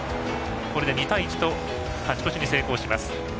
これで２対１と勝ち越しに成功します。